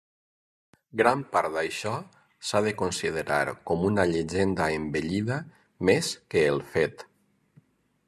Gran part d'això s'ha de considerar com a una llegenda embellida més que el fet.